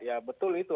ya betul itu